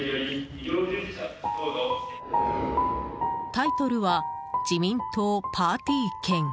タイトルは自民党パーティ券。